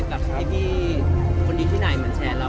กับพี่คนนี้ที่ไหนเหมือนแชร์เรา